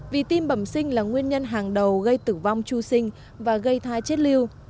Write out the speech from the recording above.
vì tim bẩm sinh là nguyên nhân hàng đầu gây tử vong tru sinh và gây thai chết lưu